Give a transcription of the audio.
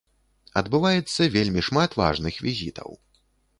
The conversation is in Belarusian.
Адбываецца вельмі шмат важных візітаў.